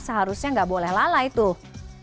seharusnya nggak boleh lalai tuh